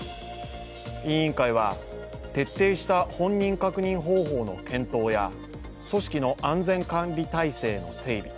委員会は、徹底した本人確認方法の検討や組織の安全管理体制の整備